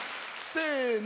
せの。